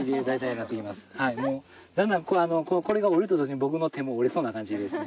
だんだんこれが折れると同時に僕の手も折れそうな感じです。